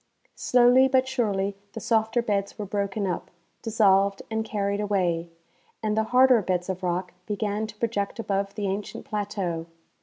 Slowly but surely the softer beds were broken up, dis solved and carried away, and the harder beds of rock began to project above the ancient plateau.